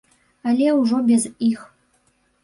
Але ўжо без іх.